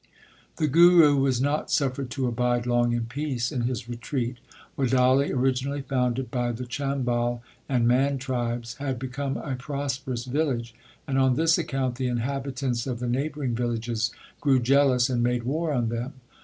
The Guru was not suffered to abide long in peace in his retreat. Wadali, originally founded by the Chambal and Man tribes, had become a prosperous village, and on this account the inhabitants of the neighbouring villages grew jealous and made war on them.